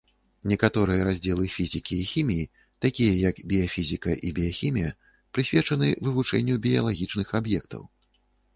Некаторыя раздзелы фізікі і хіміі, такія як біяфізіка і біяхімія прысвечаны вывучэнню біялагічных аб'ектаў.